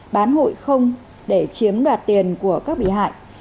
bán hụi không để chiếm đoạt tiền của các bị hại